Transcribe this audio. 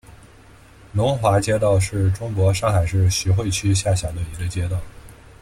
龙华街道是中国上海市徐汇区下辖的一个街道。